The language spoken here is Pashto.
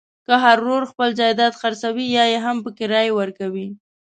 که هر ورور خپل جایداد خرڅوي یاهم په کرایه ورکوي.